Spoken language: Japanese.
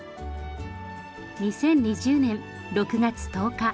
２０２０年６月１０日。